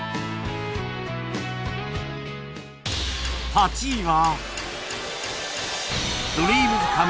８位は